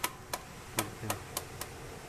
Киртем.